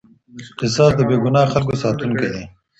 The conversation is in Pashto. قصاص د بې ګناه خلګو ساتونکی دی.